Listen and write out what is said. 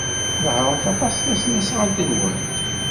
Tnehhṛemt aṭas tasnasɣalt-nwent?